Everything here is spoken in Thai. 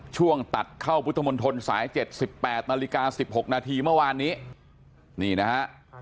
ช่วงตัดเข้าพุทธมณฑลสายเจ็ดสิบแปดนาฬิกาสิบหกนาทีเมื่อวานนี้นี่นะฮะ